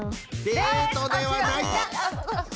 デートではない。